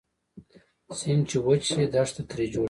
سیند چې وچ شي دښته تري جوړه شي